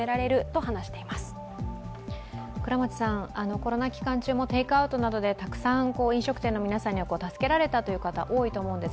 コロナ期間中もテイクアウトなどでたくさん飲食店の皆さんには助けられたという方、多いと思うんです。